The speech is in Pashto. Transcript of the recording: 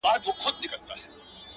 الوتني کوي ـ